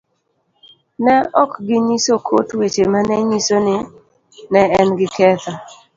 Ne ok ginyiso kot weche ma ne nyiso ni ne en gi ketho